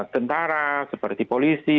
tentara seperti polisi